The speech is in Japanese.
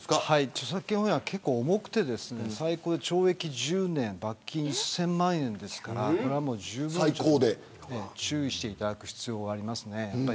著作権法違反は結構重くて最高で懲役１０年罰金１０００万円ですからじゅうぶん注意していただく必要があります。